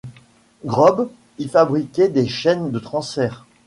Grob y fabriquait des chaînes de transfert.